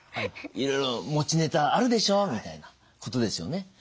「いろいろ持ちネタあるでしょ」みたいなことですよね。